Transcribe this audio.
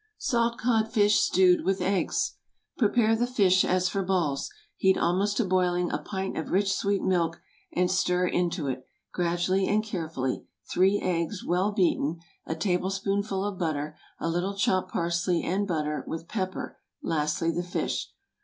SALT CODFISH STEWED WITH EGGS. Prepare the fish as for balls. Heat almost to boiling a pint of rich, sweet milk, and stir into it, gradually and carefully, three eggs, well beaten, a tablespoonful of butter, a little chopped parsley and butter, with pepper, lastly the fish.